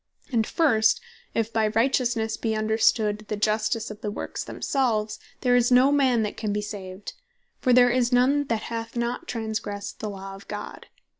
And first, if by Righteousnesse be understood the Justice of the Works themselves, there is no man that can be saved; for there is none that hath not transgressed the Law of God.